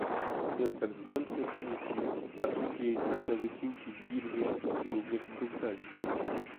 Jestem wdzięczny Komisji za wszystkie jej cenne wysiłki w Birmie i również w Brukseli